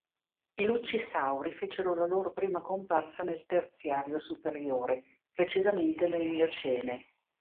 I lucci sauri fecero la loro prima comparsa nel Terziario superiore, precisamente nel Miocene.